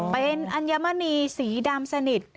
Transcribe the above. เป็นอัญมณีสีดำสนิท